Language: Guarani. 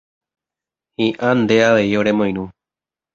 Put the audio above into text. Hi'ã nde avei oremoirũ